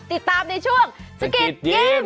ติดตามในช่วงสกิดยิ้ม